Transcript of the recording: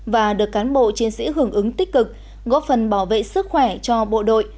và được cán bộ chiến sĩ hưởng ứng tích cực góp phần bảo vệ sức khỏe cho bộ đội